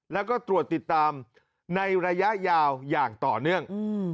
แล้วก็ตรวจติดตามในระยะยาวอย่างต่อเนื่อง